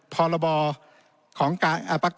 พอละบอ